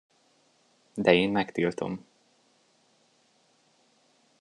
De én megtiltom.